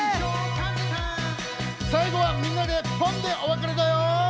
さいごはみんなでポンでおわかれだよ！